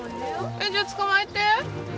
えっじゃあ捕まえて。